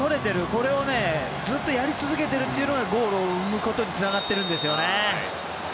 これをずっとやり続けているのがゴールを生むことにつながっているんですよね。